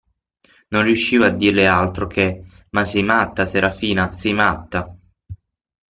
Non riusciva a dirle altro che: – Ma sei matta, Serafina, sei matta!